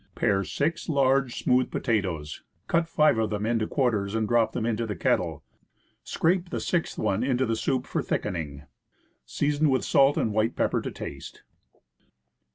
Pare six large, smooth potatoes, cut five of them into quar ters, and drop them into the kettle; scrape the sixth one into the soup for thickening. Season with salt and white pepper to taste.